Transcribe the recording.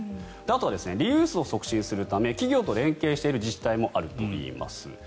あとはリユースを促進するため企業と連携している自治体もあるということです。